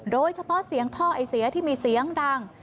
โดยเฉพาะเสียงท่อไอเสียที่มีเสียงดัง